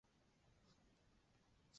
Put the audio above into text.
瘰鳞蛇主要进食鱼类。